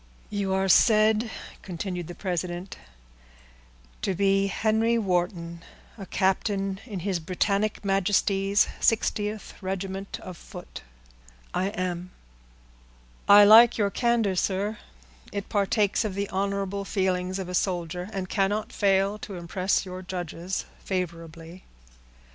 "You are said," continued the president, "to be Henry Wharton, a captain in his Britannic Majesty's 60th regiment of foot." "I am." "I like your candor, sir; it partakes of the honorable feelings of a soldier, and cannot fail to impress your judges favorably."